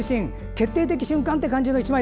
決定的瞬間という感じの１枚。